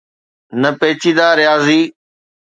نه پيچيده رياضي.